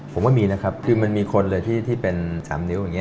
ผมว่ามีนะครับคือมันมีคนเลยที่เป็น๓นิ้วอย่างนี้